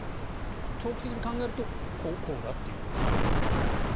長期的に考えるとこうだということなんですね。